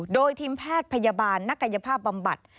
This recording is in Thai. โดยทีมแพทย์พยาบาลนักกายภาพบำบัด